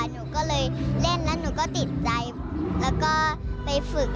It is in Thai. หนูก็เลยเล่นแล้วหนูก็ติดใจแล้วก็ไปฝึก